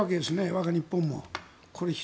我が日本も。